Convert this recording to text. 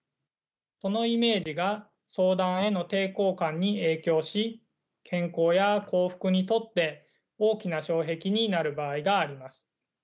そのイメージが相談への抵抗感に影響し健康や幸福にとって大きな障壁になる場合があります。